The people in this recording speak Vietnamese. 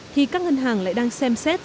thì các ngân hàng lại đang xem xét